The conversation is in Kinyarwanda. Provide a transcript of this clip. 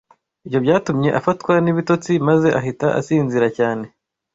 Ibyo byatumye afatwa n’ibitotsi maze ahita asinzira cyane